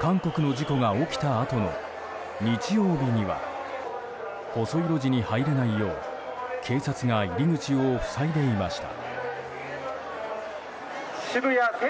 韓国の事故が起きたあとの日曜日には細い路地に入れないよう警察が入り口を塞いでいました。